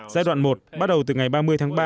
giai đoạn một bắt đầu từ ngày ba mươi tháng ba